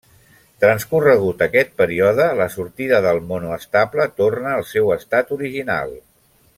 Transcorregut aquest període, la sortida del monoestable torna al seu estat original.